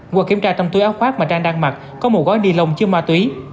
qua kiểm tra trong túi áo khoác mà trang đang mặt có một gói ni lông chứa ma túy